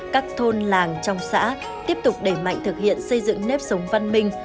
các thôn làng trong xã tiếp tục đẩy mạnh thực hiện xây dựng nếp sống văn minh